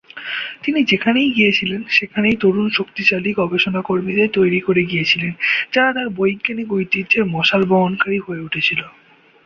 তিনি যেখানেই গিয়েছিলেন, সেখানেই তরুণ, শক্তিশালী গবেষণা কর্মীদের তৈরী করে গিয়েছিলেন, যারা তার বৈজ্ঞানিক ঐতিহ্যের মশাল বহনকারী হয়ে উঠেছিল।